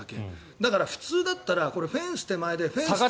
だから、普通だったらフェンス手前で。